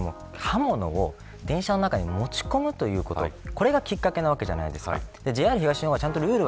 本来、そもそも刃物を電車の中に持ち込むということこれがきっかけなわけじゃないですか。